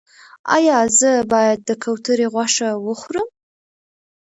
ایا زه باید د کوترې غوښه وخورم؟